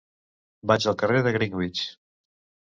Vaig al carrer de Greenwich.